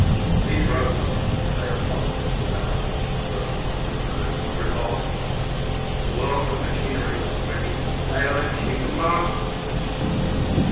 These Robots, diabolically developed, were upon the verge of revolt. The world of machinery was ready to assail its human masters!